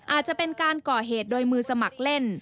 อาจจะเป็นการก่อเหตุโดยมือสมัครเล่น